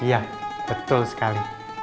iya betul sekali